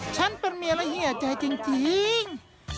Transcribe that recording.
ฉันเป็นเมียและเฮียใจจริง